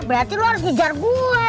berarti lo harus ngejar gue